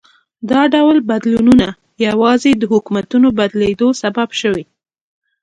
دا ډول بدلونونه یوازې د حکومتونو بدلېدو سبب شوي.